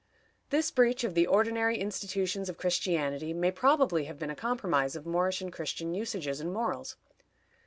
This breach of the ordinary institutions of Christianity may probably have been a compromise of Moorish and Christian usages and morals.